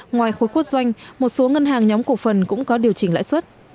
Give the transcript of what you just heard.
ngoài khối quốc doanh một số ngân hàng nhóm cổ phần cũng có điều chỉnh lãi suất